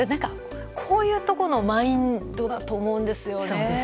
こういうところのマインドだと思うんですよね。